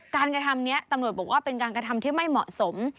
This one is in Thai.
กระทำนี้ตำรวจบอกว่าเป็นการกระทำที่ไม่เหมาะสม